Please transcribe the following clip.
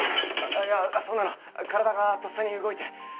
いやそんなの体がとっさに動いて。